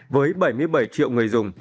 với bảy mươi bảy triệu người dùng